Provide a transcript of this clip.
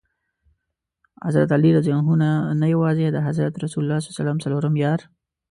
حضرت علي رض نه یوازي د حضرت رسول ص څلورم یار.